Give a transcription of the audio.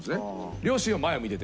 両親は前を見てて。